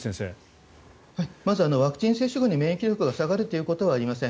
まず、ワクチン接種後に免疫力が下がることはありません。